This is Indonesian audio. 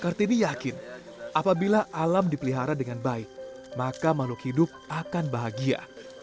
kartini yakin apabila alam dipelihara dengan baik maka makhluk hidup akan bahagia